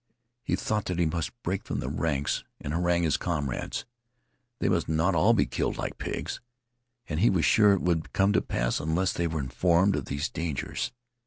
He thought that he must break from the ranks and harangue his comrades. They must not all be killed like pigs; and he was sure it would come to pass unless they were informed of these dangers.